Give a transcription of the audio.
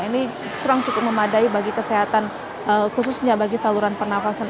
ini kurang cukup memadai bagi kesehatan khususnya bagi saluran pernafasan